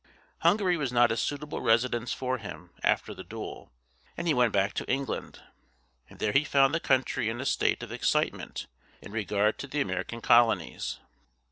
Hungary was not a suitable residence for him after the duel, and he went back to England, and there he found the country in a state of excitement in regard to the American Colonies.